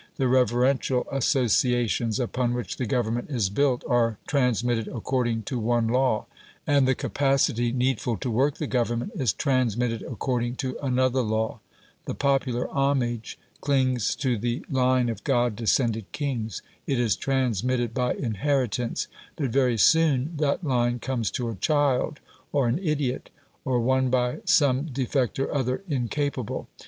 The reverential associations upon which the government is built are transmitted according to one law, and the capacity needful to work the government is transmitted according to another law. The popular homage clings to the line of god descended kings; it is transmitted by inheritance. But very soon that line comes to a child or an idiot, or one by some defect or other incapable.